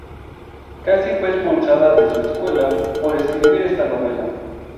Casi fue expulsada de su escuela por escribir esta novela.